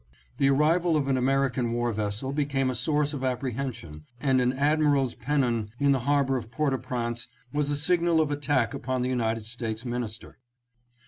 The arrival of an American war vessel became a source of apprehension, and an admiral's pennon in the harbor of Port au Prince was a signal of attack upon the United States Minister.